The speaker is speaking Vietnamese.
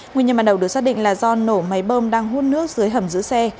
nguyên nhân ban đầu được xác định là do nổ máy bơm đang hút nước dưới hầm giữ xe